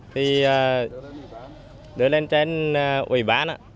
thì đưa lên trên ủy bán ạ